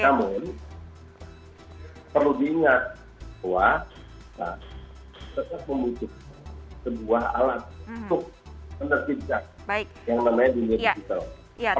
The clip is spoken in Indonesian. namun perlu diingat bahwa tetap membutuhkan sebuah alat untuk menertibkan yang namanya dunia digital